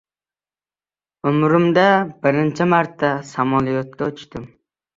Umrimda birinchi marta samolyotda uchdim.